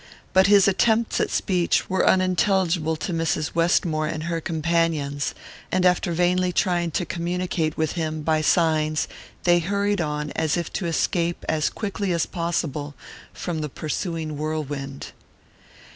But his attempts at speech were unintelligible to Mrs. Westmore and her companions, and after vainly trying to communicate with him by signs they hurried on as if to escape as quickly as possible from the pursuing whirlwind.